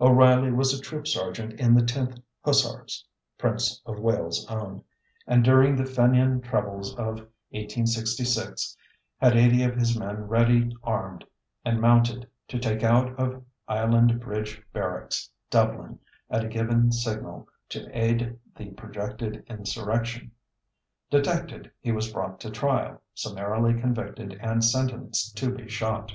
O'Reilly was a troop sergeant in the 10th Hussars (Prince of Wales's Own), and during the Fenian troubles of 1866 had eighty of his men ready armed and mounted to take out of Island Bridge Barracks, Dublin, at a given signal, to aid the projected insurrection. Detected, he was brought to trial, summarily convicted, and sentenced to be shot.